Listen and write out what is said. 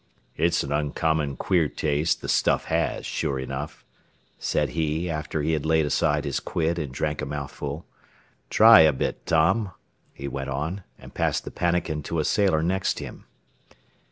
"It's an uncommon quare taste the stuff has, sure enough," said he, after he had laid aside his quid and drank a mouthful, "Try a bit, Tom," he went on, and passed the pannikin to a sailor next him.